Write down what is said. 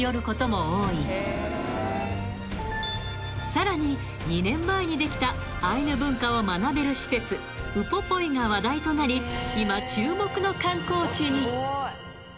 ［さらに２年前にできたアイヌ文化を学べる施設ウポポイが話題となり今注目の観光地に］